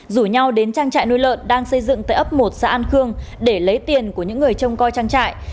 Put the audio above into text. rủ nhau đến trang trại nuôi lợn đang xây dựng tại ấp một xã an khương để lấy tiền của những người trông coi trang trại